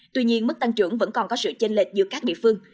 tuy nhiên mức tăng trưởng vẫn còn có sự chênh lệch giữa các địa phương